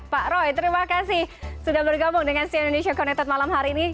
pak roy terima kasih sudah bergabung dengan cn indonesia connected malam hari ini